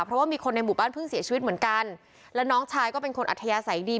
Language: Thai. เพราะว่ามีคนในหมู่บ้านเพิ่งเสียชีวิตเหมือนกันแล้วน้องชายก็เป็นคนอัธยาศัยดี